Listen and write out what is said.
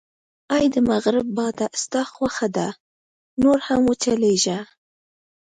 اې د مغرب باده، ستا خوښه ده، نور هم و چلېږه.